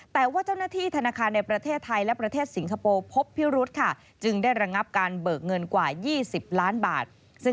แต่ว่าเจ้าหน้าที่ธนาคารในประเทศไทยและประเทศสิงคโปร์พบพิรุธค่ะจึงได้ระงับการเบิกเงินกว่า๒๐ล้านบาท